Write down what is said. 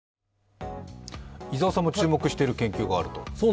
伊沢さんも注目している研究があると。